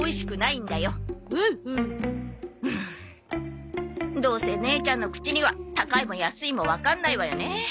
うんどうせ姉ちゃんの口には高いも安いもわかんないわよね。